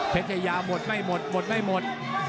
ทยาหมดไม่หมดหมดไม่หมด